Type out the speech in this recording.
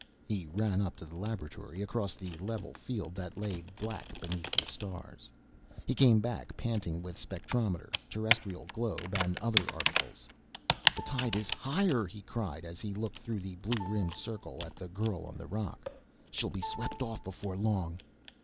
He ran up to the laboratory, across the level field that lay black beneath the stars. He came back, panting, with spectrometer, terrestrial globe, and other articles. "The tide is higher!" he cried as he looked through the blue rimmed circle at the girl on the rock. "She'll be swept off before long!"